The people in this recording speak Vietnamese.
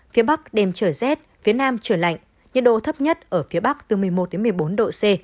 phía bắc đêm trời rét phía nam trời lạnh nhiệt độ thấp nhất ở phía bắc từ một mươi một một mươi bốn độ c